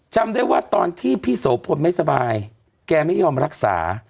จำได้ว่าตอนที่พี่โสพลไม่สบายแกไม่ยอมรักษา